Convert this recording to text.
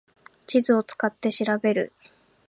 地図を使って調べる